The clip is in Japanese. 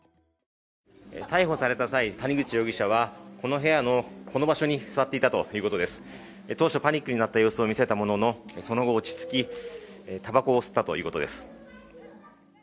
逮捕された際、谷口容疑者はこの部屋のこの場所に座っていたということです当初パニックになった様子を見せたものの、その後落ち着きタバコを吸ったということです。